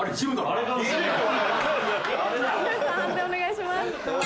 判定お願いします。